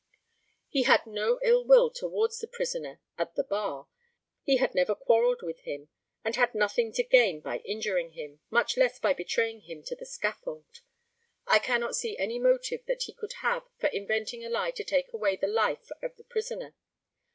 He had no ill will towards the prisoner at the bar; he had never quarreled with him, and had nothing to gain by injuring him, much less by betraying him to the scaffold. I cannot see any motive that he could have for inventing a lie to take away the life of the prisoner.